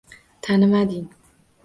Tanimading.